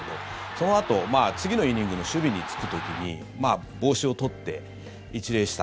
そのあと次のイニングの守備に就く時に帽子を取って一礼した。